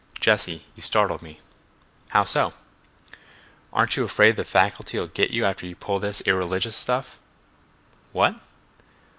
"Jesse, you startled me." "How so?" "Aren't you afraid the faculty'll get after you if you pull this irreligious stuff?" "What?"